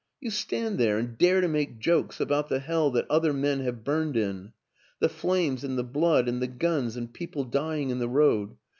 You stand there and dare to make jokes about the hell that other men have burned in. The flames and the blood and the guns and people dying in the road.